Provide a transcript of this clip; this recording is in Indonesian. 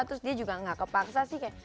terus dia juga gak kepaksa sih kayak